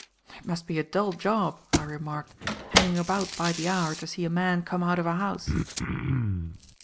"It must be a dull job," I remarked, "hanging about by the hour to see a man come out of a house."